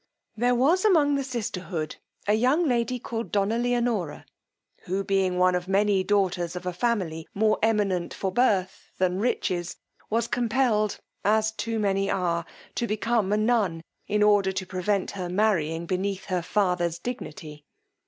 There was among the sisterhood a young lady called donna Leonora, who being one of many daughters of a family, more eminent for birth than riches, was compelled, as too many are, to become a nun, in order to prevent her marrying beneath her father's dignity.